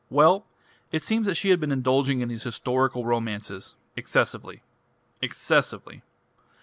"Well: it seems that she has been indulging in these historical romances excessively. Excessively.